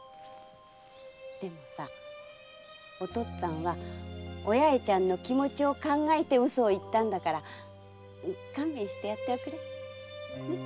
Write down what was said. でもさお父っつぁんはお八重ちゃんの気持ちを考えて嘘を言ったんだから勘弁してやっておくれ。